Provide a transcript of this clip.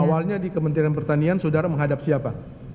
awalnya di kementerian pertanian saudara menghadap siapa